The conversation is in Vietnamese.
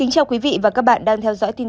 cảm ơn các bạn đã theo dõi